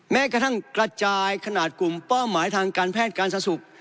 แม้กระทั่งกระจายขนาดกลุ่มเป้าหมายทางการแพทย์การสาสุข